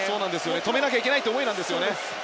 止めなきゃいけないという思いなんですよね。